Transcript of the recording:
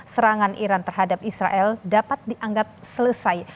serangan iran terhadap israel dapat dianggap selesai